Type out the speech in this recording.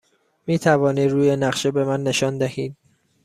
می توانید روی نقشه به من نشان دهید؟